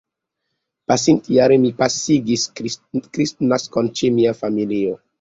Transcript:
Pasintjare mi pasigis Kristnaskon ĉe mia familio.